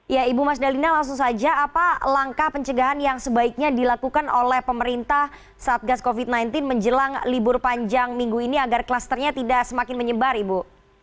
ya ibu mas dalina langsung saja apa langkah pencegahan yang sebaiknya dilakukan oleh pemerintah saat gas covid sembilan belas menjelang libur panjang minggu ini agar klasternya tidak semakin menyebar ibu